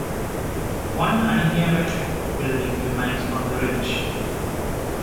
One uninhabited building remains on the ridge.